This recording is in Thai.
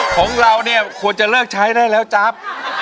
ของเราเนี่ยควรจะเลิกใช้ได้แล้วจ๊ะ